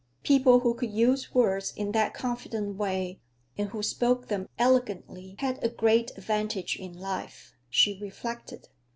People who could use words in that confident way, and who spoke them elegantly, had a great advantage in life, she reflected.